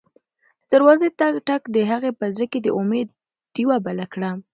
د دروازې ټک د هغې په زړه کې د امید ډېوه بله کړه.